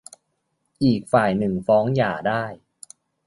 อีกฝ่ายหนึ่งฟ้องหย่าได้